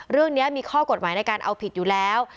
เรื่องนี้มีข้อกฎหมายในการเอาผิดอยู่แล้ว